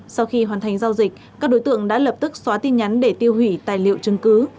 sau khi hoàn thành giao dịch các đối tượng đã lập tức xóa tin nhắn để tiêu hủy tài liệu chứng cứ